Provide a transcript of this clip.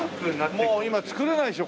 もう今造れないでしょ？